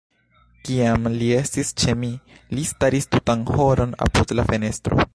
Kiam li estis ĉe mi, li staris tutan horon apud la fenestro.